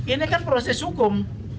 ini kan proses hukum